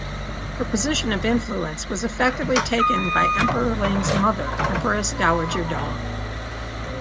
Her position of influence was effectively taken by Emperor Ling's mother Empress Dowager Dong.